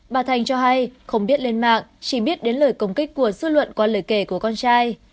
bà thành cho hay không biết lên mạng chỉ biết đến lời công kích của dư luận qua lời kể của con trai